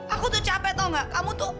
aku tuh capek tau gak